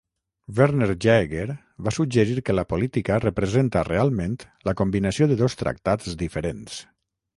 Werner Jaeger va suggerir que la política representa realment la combinació de dos tractats diferents.